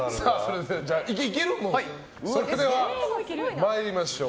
それでは、参りましょう。